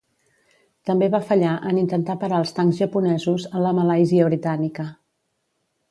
També va fallar en intentar parar els tancs japonesos en la Malàisia Britànica.